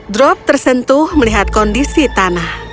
drop tersentuh melihat kondisi tanah